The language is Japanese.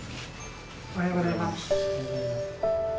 おはようございます。